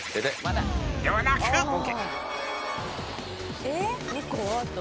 ［ではなく］あっ！